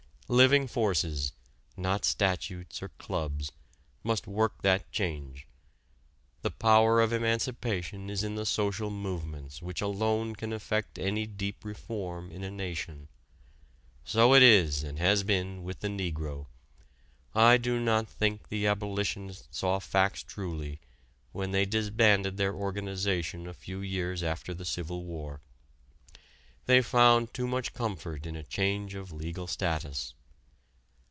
Living forces, not statutes or clubs, must work that change. The power of emancipation is in the social movements which alone can effect any deep reform in a nation. So it is and has been with the negro. I do not think the Abolitionists saw facts truly when they disbanded their organization a few years after the civil war. They found too much comfort in a change of legal status.